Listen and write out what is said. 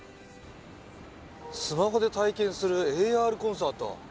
「スマホで体験するＡＲコンサート。